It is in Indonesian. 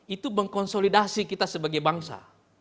itu mengkonsolidasi kita sebagai bangsa